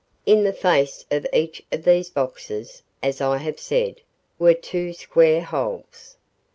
In the face of each of these boxes, as I have said, were two square holes.